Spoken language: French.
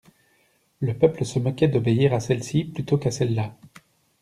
Le peuple se moquait d'obéir à celle-ci plutôt qu'à celle-là.